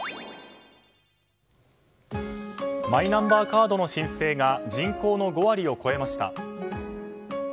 マイナンバーカードの申請が人口の５割を超えました。